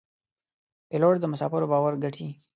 پیلوټ د مسافرو باور ګټي.